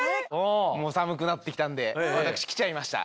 もう寒くなってきたんで私来ちゃいました。